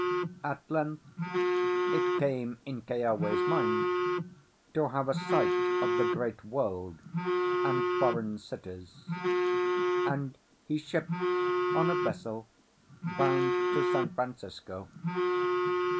At length it came in Keawe's mind to have a sight of the great world and foreign cities, and he shipped on a vessel bound to San Francisco.